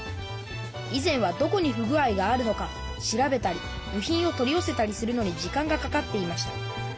以前はどこに不具合があるのか調べたり部品を取りよせたりするのに時間がかかっていました。